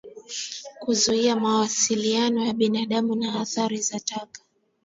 Kuzuia mawasiliano ya binadamu na athari za taka